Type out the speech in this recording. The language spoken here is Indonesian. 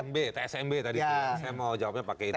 tsmb tsmb tadi saya mau jawabnya pakai itu